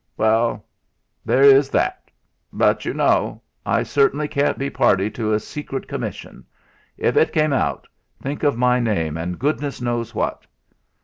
"Well, there is that; but you know, I really can't be party to a secret commission. If it came out, think of my name and goodness knows what."